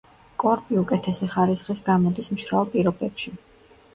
კორპი უკეთესი ხარისხის გამოდის მშრალ პირობებში.